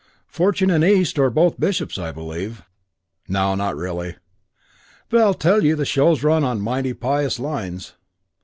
Fortune and East are both bishops, I believe. No, not really. But I tell you the show's run on mighty pious lines.